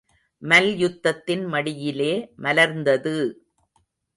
மல்யுத்தத்தின் மடியிலே மலர்ந்தது!